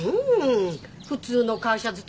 普通の会社勤めの人。